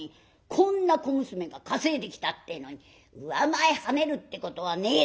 こんな小娘が稼いできたってえのに上前はねるってことはねえだろ」。